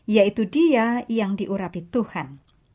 yaitu dia yang diurapi tuhan